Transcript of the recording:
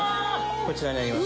こちらになります。